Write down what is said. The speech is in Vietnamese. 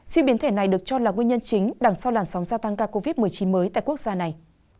si biến thể này được cho là nguyên nhân chính đằng sau làn sóng gia tăng ca covid một mươi chín mới tại quốc gia này